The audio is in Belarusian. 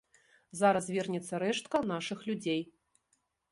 Зараз вернецца рэштка нашых людзей.